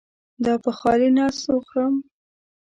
دا په خالي نس وخورم؟